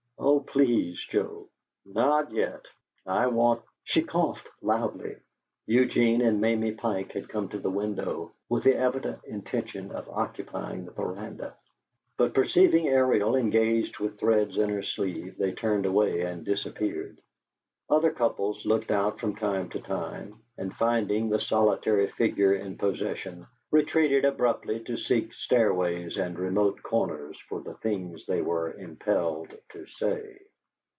"Oh, please, Joe!" "Not yet; I want " She coughed loudly. Eugene and Mamie Pike had come to the window, with the evident intention of occupying the veranda, but perceiving Ariel engaged with threads in her sleeve, they turned away and disappeared. Other couples looked out from time to time, and finding the solitary figure in possession, retreated abruptly to seek stairways and remote corners for the things they were impelled to say.